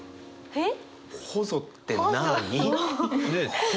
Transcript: えっ？